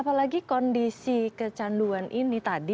apalagi kondisi kecanduan ini tadi